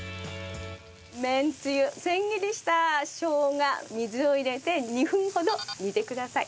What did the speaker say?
めんつゆ千切りしたしょうが水を入れて２分ほど煮てください。